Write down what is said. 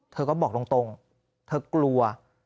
เธอก็บอกตรงเธอกลัว